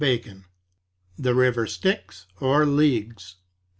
—THE RIVER STYX, OR LEAGUES.